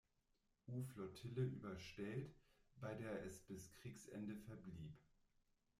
U-Flottille überstellt, bei der es bis Kriegsende verblieb.